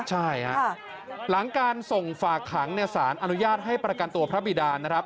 ใช่ฮะหลังการส่งฝากขังสารอนุญาตให้ประกันตัวพระบิดานนะครับ